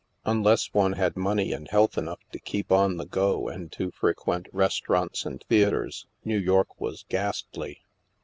Un less one had money and health enough to keep on the go and to frequent restaurants and theatres. New York was ghastly.